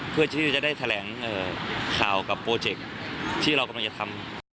เพื่อที่จะได้แถลงข่าวกับโปรเจคที่เรากำลังจะทำ